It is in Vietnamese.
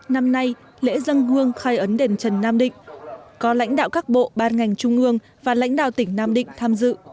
năm nay lễ dân hương khai ấn đền trần nam định có lãnh đạo các bộ ban ngành trung ương và lãnh đạo tỉnh nam định tham dự